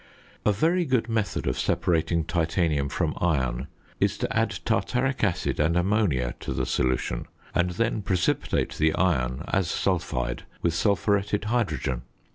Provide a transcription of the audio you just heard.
A very good method of separating titanium from iron is to add tartaric acid and ammonia to the solution, and then precipitate the iron (as sulphide) with sulphuretted hydrogen.